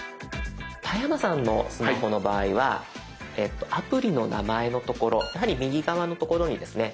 田山さんのスマホの場合はアプリの名前のところやはり右側のところにですね